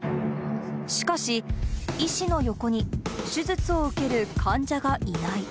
しかし、医師の横に手術を受ける患者がいない。